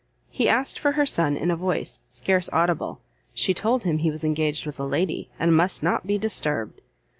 He asked for her son in a voice scarce audible, she told him he was engaged with a lady, and must not be disturbed.